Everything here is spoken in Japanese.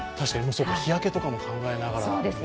日焼けとかも考えながら。